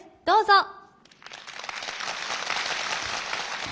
どうぞ。